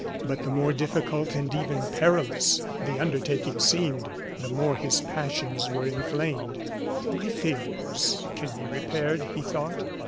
But the more difficult and even perilous the undertaking seemed, the more his passions were inflamed. "My failures can be repaired," he thought.